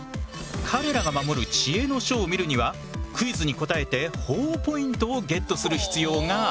彼らが守る知恵の書を見るにはクイズに答えてほぉポイントをゲットする必要がある。